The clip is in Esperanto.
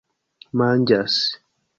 manĝas